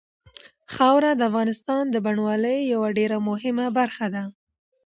خاوره د افغانستان د بڼوالۍ یوه ډېره مهمه برخه ده.